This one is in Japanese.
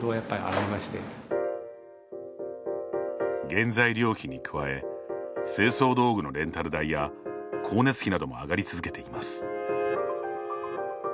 原材料費に加え清掃道具のレンタル代や光熱費なども上がり続けています。